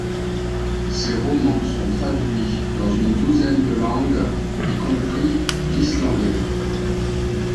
Ses romans sont traduits dans une douzaine de langues, y compris l'islandais.